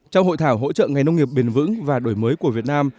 trong hội thảo hỗ trợ ngành nông nghiệp bền vững và đổi mới của việt nam